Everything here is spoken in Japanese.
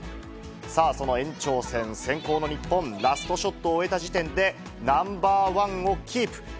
さあ、その延長戦、先行の日本、ラストショットを終えた時点で、ナンバーワンをキープ。